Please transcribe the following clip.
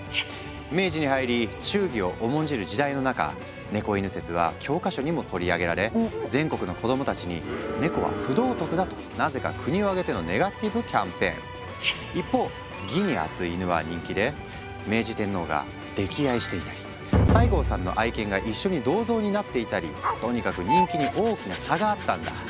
明治に入り忠義を重んじる時代の中「猫狗説」は教科書にも取り上げられ全国の子供たちに「ネコは不道徳だ」となぜか国を挙げてのネガティブキャンペーン。一方義に厚いイヌは人気で明治天皇が溺愛していたり西郷さんの愛犬が一緒に銅像になっていたりとにかく人気に大きな差があったんだ。